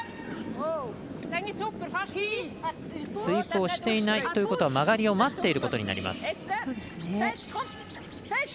スイープをしていないということは曲がりを待っていることになります。